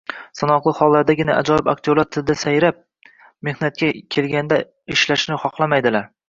Sanoqli hollardagina ajoyib aktyorlar tilda sayrab, mehnatga kelganda ishlashni xohlamaydi.